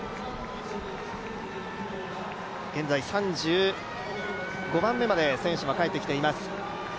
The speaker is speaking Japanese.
現在３５番目まで選手は帰ってきています。